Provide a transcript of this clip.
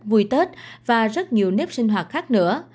vui tết và rất nhiều nếp sinh hoạt khác nữa